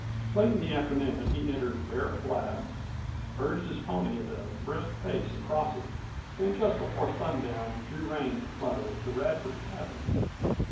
Late in the afternoon he entered Bear Flat, urged his pony at a brisk pace across it, and just before sundown drew rein in front of the Radford cabin.